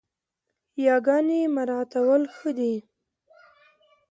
ياګاني مراعتول ښه دي